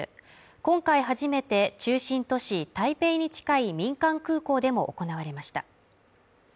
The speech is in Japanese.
今回初めて中心都市台北に近い民間空港でも行われました